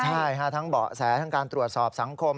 ใช่ค่ะทั้งเบาะแสทั้งการตรวจสอบสังคม